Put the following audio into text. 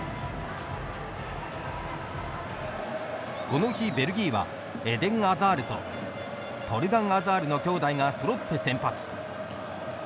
この日、ベルギーはエデン・アザールとトルガン・アザールの兄弟がそろって先発。